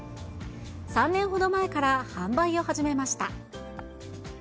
３年ほど前から販売を始めました。